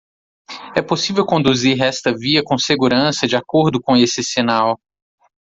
É possível conduzir esta via com segurança de acordo com esse sinal.